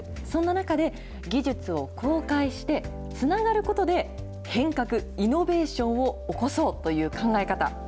そんな中で、技術を公開して、つながることで、変革・イノベーションを起こそうという考え方。